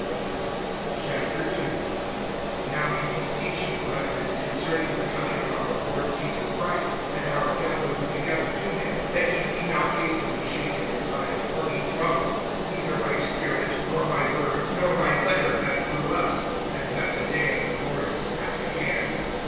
II. NOW we beseech you, brethren, concerning the coming of our Lord Jesus Christ, and our gathering together to him, (2)that ye be not hastily shaken in mind[2:2a], or be troubled, neither by spirit, nor by word, nor by letter, as through us, as that the day of the Lord is at hand[2:2b].